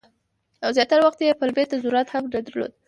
او زیاتره وخت یې پلمې ته ضرورت هم نه درلود.